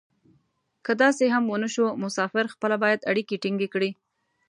که داسې هم و نه شو مسافر خپله باید اړیکې ټینګې کړي.